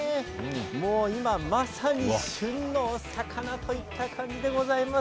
もう今まさに旬の魚といった感じでございます。